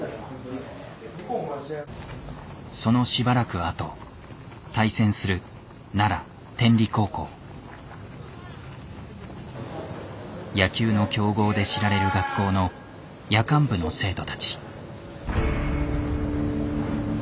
そのしばらくあと対戦する野球の強豪で知られる学校の夜間部の生徒たち。